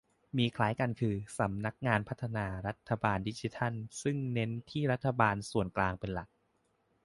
มีคล้ายกันคือ สำนักงานพัฒนารัฐบาลดิจิทัล ซึ่งเน้นที่รัฐบาลส่วนกลางเป็นหลัก